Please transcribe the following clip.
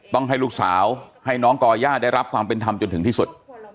ต้องให้ลูกสาวให้น้องก่อย่าได้รับความเป็นธรรมจนถึงที่สุด